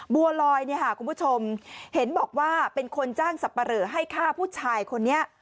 บัวลอยคุณผู้ชมเห็นบอกว่าเป็นคนจ้างสับปะเหลอให้ฆ่าผู้ชายคนนี้